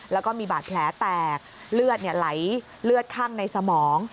แล้วก็มีบาดแผลแตกเลือดไหลเลือดข้างในสมอง